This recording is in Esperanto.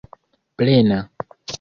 plena